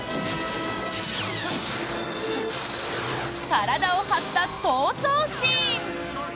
体を張った逃走シーン。